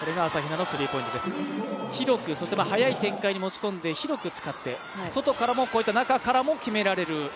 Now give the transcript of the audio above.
広く早い展開に持ち込んで広く使って外からも中からも決められる。